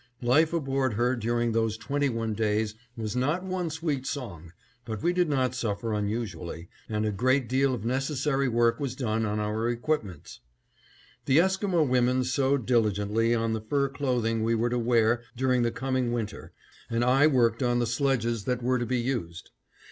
Life aboard her during those twenty one days was not one sweet song, but we did not suffer unusually, and a great deal of necessary work was done on our equipments. The Esquimo women sewed diligently on the fur clothing we were to wear during the coming winter and I worked on the sledges that were to be used.